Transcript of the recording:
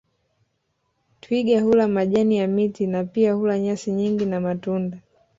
Twiga hula majani ya miti na pia hula nyasi nyingi na matunda